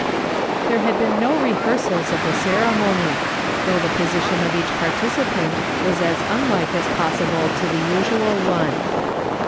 There had been no rehearsals of the ceremony, though the position of each participant was as unlike as possible to the usual one.